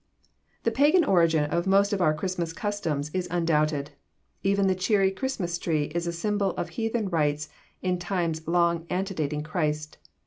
The pagan origin of most of our Christmas customs is undoubted. Even the cheery Christmas tree is a symbol of heathen rites in times long antedating Christ.